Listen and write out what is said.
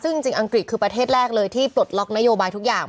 ซึ่งจริงอังกฤษคือประเทศแรกเลยที่ปลดล็อกนโยบายทุกอย่าง